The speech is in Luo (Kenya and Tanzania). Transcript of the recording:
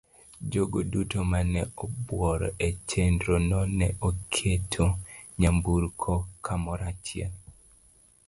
Jogo duto ma ne obworo e chenro no ne oketo nyamburko kamoro achiel.